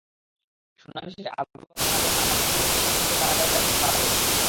শুনানি শেষে আদালত জামিন আবেদন নামঞ্জুর করে পাঁচজনকে কারাগারে পাঠানোর আদেশ দেন।